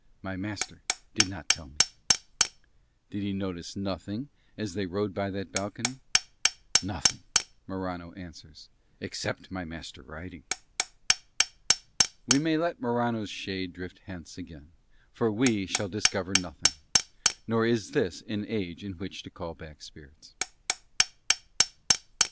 My master did not tell me." Did he notice nothing as they rode by that balcony? "Nothing," Morano answers, "except my master riding." We may let Morano's shade drift hence again, for we shall discover nothing: nor is this an age to which to call back spirits.